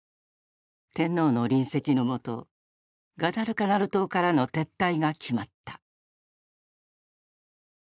天皇の臨席の下ガダルカナル島からの撤退が決まった。